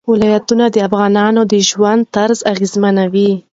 ولایتونه د افغانانو د ژوند طرز اغېزمنوي.